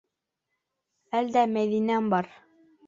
Әлдә Мәҙинәм бар.